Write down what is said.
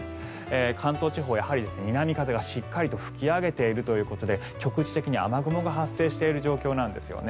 関東地方、やはり南風がしっかり吹き荒れているということで局地的に雨雲が発生している状況なんですよね。